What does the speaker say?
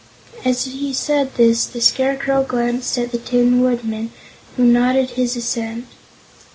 As he said this, the Scarecrow glanced at the Tin Woodman, who nodded his assent.